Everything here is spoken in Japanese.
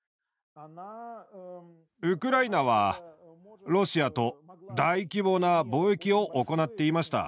ウクライナはロシアと大規模な貿易を行っていました。